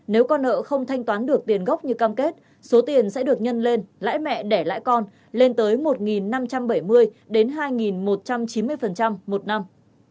nếu con nợ không thanh toán được tiền gốc như cam kết số tiền sẽ được nhân lên lãi mẹ đẻ lãi con lên tới một năm trăm bảy mươi đến hai một trăm chín mươi một năm